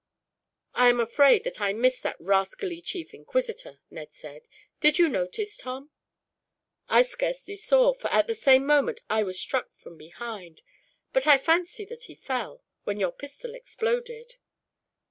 "I am afraid that I missed that rascally chief inquisitor," Ned said. "Did you notice, Tom?" "I scarcely saw, for at the same moment I was struck from behind; but I fancy that he fell, when your pistol exploded."